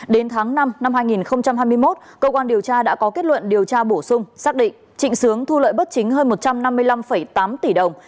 đến tháng năm năm hai nghìn hai mươi một cơ quan điều tra đã có kết luận điều tra bổ sung xác định trịnh sướng thu lợi bất chính hơn một trăm năm mươi năm tám tỷ đồng